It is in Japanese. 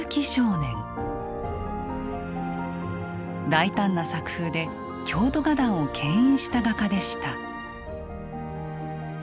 大胆な作風で京都画壇をけん引した画家でした。